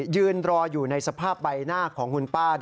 ยืนรออยู่ในสภาพใบหน้าของคุณป้า